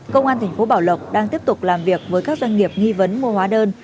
cơ quan tp bảo lộc đang tiếp tục làm việc với các doanh nghiệp nghi vấn mua hóa đơn